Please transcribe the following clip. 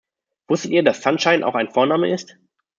Wusstet ihr, dass Sunshine auch ein Vorname ist?